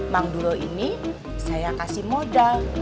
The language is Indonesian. bang duluh ini saya kasih modal